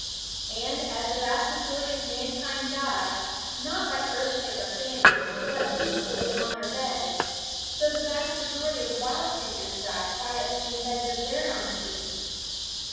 And as the vast majority of mankind die, not by earthquake or famine, but peacefully on their beds, so the vast majority of wild creatures die quietly in beds of their own choosing.